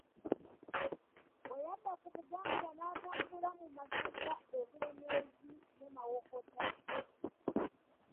Bwe yadda ku Buganda n'atambula mu masaza e Bulemeezi ne Mawokota.